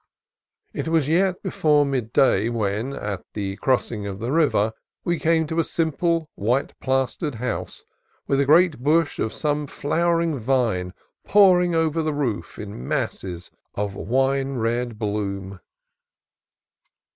It was yet before midday when, at the crossing of the river, we came to a simple white plastered house with a great bush of some flowering vine pour ing over the roof in masses of wine red bloom.